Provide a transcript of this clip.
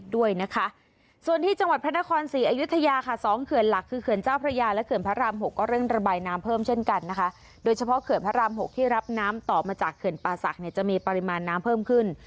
โดยเฉพาะเขื่อนพระราม๖ที่รับน้ำต่อมาจากเขื่อนปาศักดิ์จะมีปริมาณน้ำเพิ่มขึ้น